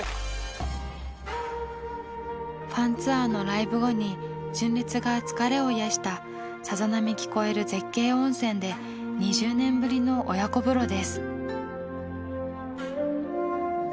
ファンツアーのライブ後に純烈が疲れを癒やしたさざ波聞こえる絶景温泉で２０年ぶりの親子風呂です。